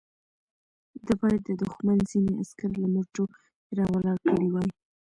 ده بايد د دښمن ځينې عسکر له مورچو را ولاړ کړي وای.